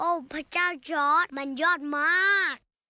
โอ้พระเจ้าชอตมันยอดมาก